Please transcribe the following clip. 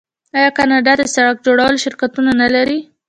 آیا کاناډا د سړک جوړولو شرکتونه نلري؟